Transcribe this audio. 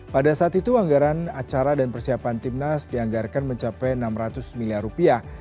pada saat itu anggaran acara dan persiapan timnas dianggarkan mencapai enam ratus miliar rupiah